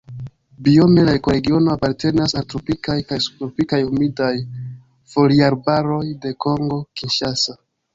Biome la ekoregiono apartenas al tropikaj kaj subtropikaj humidaj foliarbaroj de Kongo Kinŝasa.